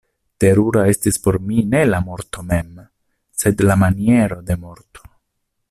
Terura estis por mi ne la morto mem, sed la maniero de morto.